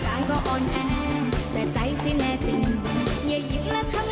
ร่างกลางก็อ่อนแอแต่ใจสิแน่จริงอย่ายิ้มและทำนิ่ง